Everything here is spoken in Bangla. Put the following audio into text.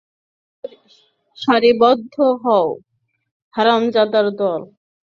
সারিবদ্ধ হ, হারামজাদার দল!